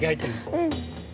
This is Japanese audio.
うん。